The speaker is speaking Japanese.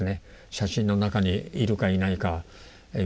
写真の中にいるかいないか見極める。